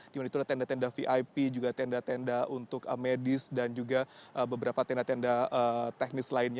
dimana itu ada tenda tenda vip juga tenda tenda untuk medis dan juga beberapa tenda tenda teknis lainnya